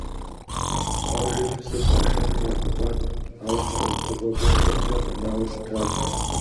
Къуажэми псыр къашэну ягугъат, ауэ щхьэусыгъуэ гуэрхэмкӀэ къэнауэ щытащ.